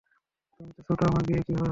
তুমি তো ছোট তোমার বিয়ে কীভাবে হবে?